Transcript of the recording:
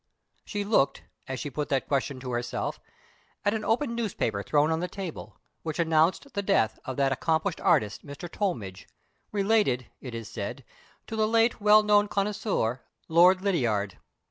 She looked, as she put that question to herself, at an open newspaper thrown on the table, which announced the death of "that accomplished artist Mr. Tollmidge, related, it is said, to the late well known connoisseur, Lord Lydiard."